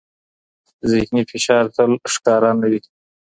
ذهني فشار تل ښکاره نه وي.